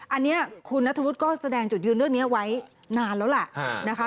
อันนี้คุณนัทธวุฒิก็แสดงจุดยืนเรื่องนี้ไว้นานแล้วล่ะนะคะ